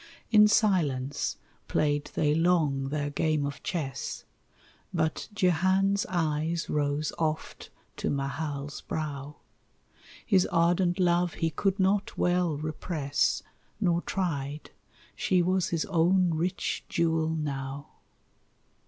In silence played they long their game of chess, But Jehan's eyes rose oft to Mahal's brow, His ardent love he could not well repress, Nor tried she was his own rich jewel now.